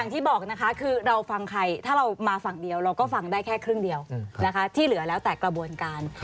ถ้าเรามาฟังเดียวเราก็ฟังได้แค่ครึ่งเดียวนะคะที่เหลือแล้วแต่กระบวนการ